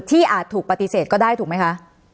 อาจถูกปฏิเสธก็ได้ถูกไหมคะ